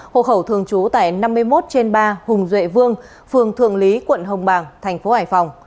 hộ khẩu thường trú tại năm mươi một trên ba hùng duệ vương phường thượng lý quận hồng bàng tp hcm